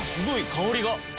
香りが。